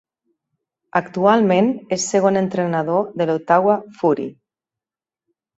Actualment és segon entrenador de l'Ottawa Fury.